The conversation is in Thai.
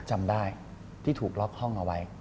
จำได้ที่ถูกล็อกห้องเอาไว้